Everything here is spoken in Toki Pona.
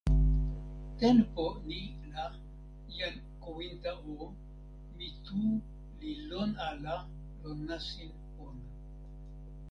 tenpo ni la, jan Kowinta o, mi tu li lon ala lon nasin pona.